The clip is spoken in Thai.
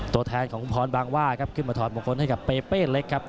ตัวแทนของคุณพรบางว่าครับขึ้นมาถอดมงคลให้กับเปเป้เล็กครับ